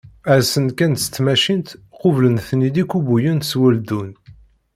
Rsen-d kan seg tmacint, qublen-ten-id ikubuyen s weldun.